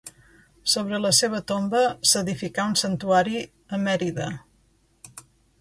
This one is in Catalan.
Sobre la seva tomba s'edificà un santuari, a Mèrida.